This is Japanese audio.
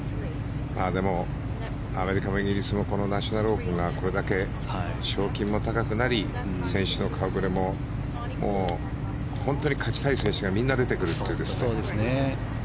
でもアメリカもイギリスもこのナショナルオープンがこれだけ賞金も高くなり選手の顔触れも本当に勝ちたい選手がみんな出てくるという。